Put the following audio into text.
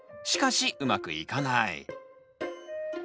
しかしうまくいかない。